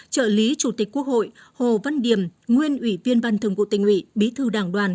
trợ lý chủ tịch quốc hội hồ văn điểm nguyên ủy viên ban thường vụ tình ủy bí thư đảng đoàn